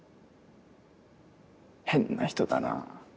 変な人だなぁ。